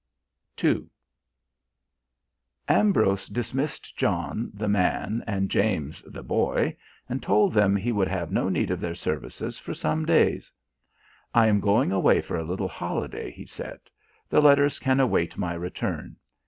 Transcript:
II Ambrose dismissed John, the man, and James, the boy, and told them he would have no need of their services for some days. "I am going away for a little holiday," he said. "The letters can await my return.